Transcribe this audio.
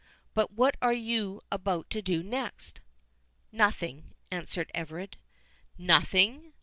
But what are you about to do next?" "Nothing," answered Everard. "Nothing?"